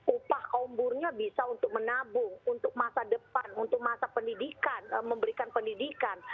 upah kaum burunya bisa untuk menabung untuk masa depan untuk masa pendidikan memberikan pendidikan